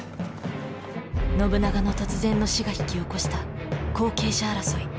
信長の突然の死が引き起こした後継者争い。